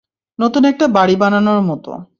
নতুন একটা বাড়ি বানানোর মতো!